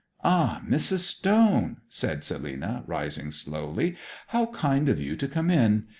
'Ah, Mrs. Stone!' said Selina, rising slowly. 'How kind of you to come in.